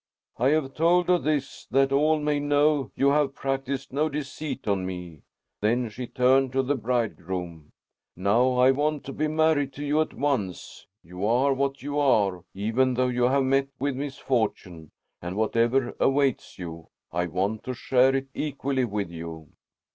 'I have told of this, that all may know you have practised no deceit on me.' Then she turned to the bridegroom. 'Now I want to be married to you at once. You are what you are, even though you have met with misfortune, and whatever awaits you, I want to share it equally with you.'"